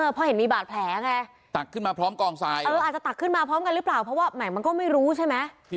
เพราะเห็นมีบาดแผลไงตักขึ้นมาพร้อมกองทรายอาจจะตักขึ้นมาพร้อมกันหรือเปล่าเพราะว่าแหม่มันก็ไม่รู้ใช่ไหม